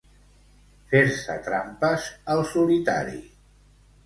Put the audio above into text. Fer-se trampes al solitari.